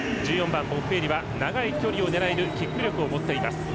ボッフェーリは長い距離を狙えるキック力も持っています。